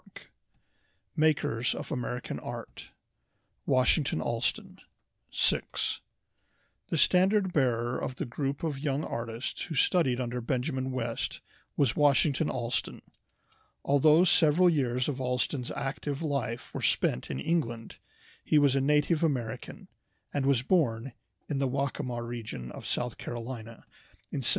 ] MAKERS OF AMERICAN ART Washington Allston SIX The standard bearer of the group of young artists who studied under Benjamin West was Washington Allston. Although several years of Allston's active life were spent in England, he was a native American, and was born in the Waccamaw region of South Carolina in 1779.